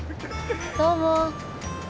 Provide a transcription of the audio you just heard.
どうも。